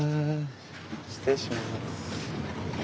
失礼します。